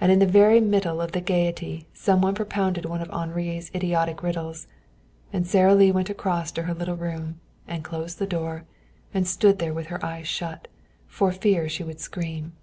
And in the very middle of the gayety some one propounded one of Henri's idiotic riddles; and Sara Lee went across to her little room and closed the door and stood there with her eyes shut, for fear she would scream.